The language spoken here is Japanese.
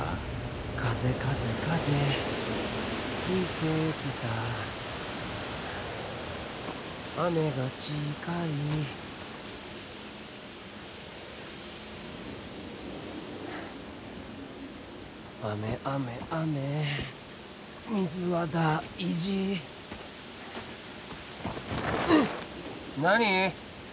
風風風吹いてきた雨が近い雨雨雨水は大事何？